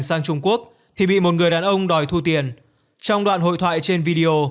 sang trung quốc thì bị một người đàn ông đòi thu tiền trong đoạn hội thoại trên video